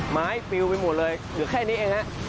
ปิวไปหมดเลยเหลือแค่นี้เองฮะ